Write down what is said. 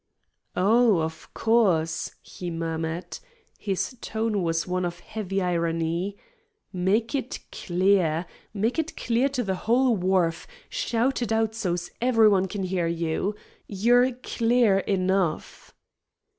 "Oh, of course!" he murmured. His tone was one of heavy irony. "Make it 'clear.' Make it clear to the whole wharf. Shout it out so's everybody can hear you. You're 'clear' enough."